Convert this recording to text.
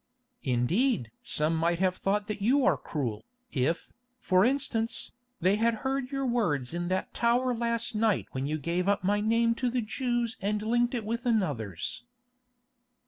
"Indeed! some might have thought that you are cruel. If, for instance, they had heard your words in that tower last night when you gave up my name to the Jews and linked it with another's."